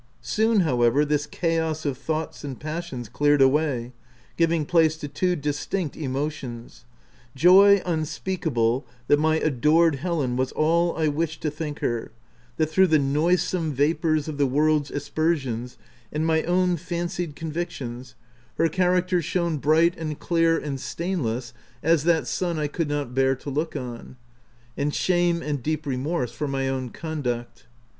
Soon, however, this chaos of thoughts and passions cleared away, giving place to two distinct emo tions ; joy unspeakable that my adored Helen was all I wished to think her — that through the noisome vapours of the world's aspersions and my own fancied convictions, her character shone 136 THE TENANT bright, and clear, and stainless as that sun I could not bear to look on ; and shame and deep remorse for my own conduct.